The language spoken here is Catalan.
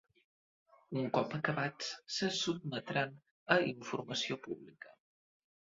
Un cop acabats, se sotmetran a informació pública.